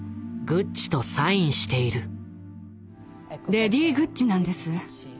レディー・グッチなんです。